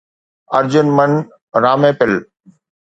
ارجن من را ميپل